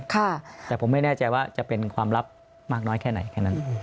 แต่ผมไม่แน่ใจว่าจะเป็นความลับมากน้อยแค่ไหนแค่นั้น